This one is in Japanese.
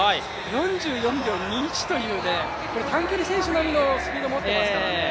４４秒２１というね、短距離選手並みのスピード持ってますからね。